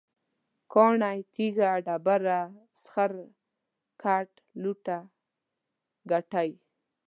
کاڼی، تیږه، ډبره، سخر، ګټ، لوټه، ګټی